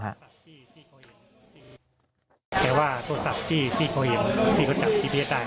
แสดงว่าตัวสัตว์ที่เขาเห็นที่เขาจับที่พิเศษได้